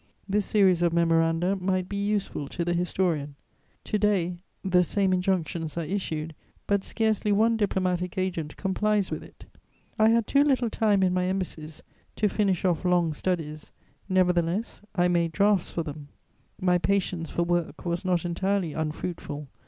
This series of memoranda might be useful to the historian. To day the same injunctions are issued, but scarcely one diplomatic agent complies with it. I had too little time in my embassies to finish off long studies; nevertheless, I made drafts for them; my patience for work was not entirely unfruitful.